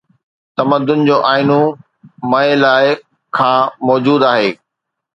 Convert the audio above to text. تمدن جو آئينو مئي لا کان موجود آهي